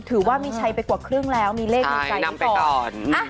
ถือว่ามีใช้ไปกว่าครึ่งแล้วมีเลขมีใช้ไปก่อน